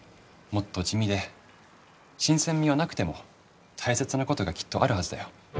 もっと地味で新鮮味はなくても大切なことがきっとあるはずだよ。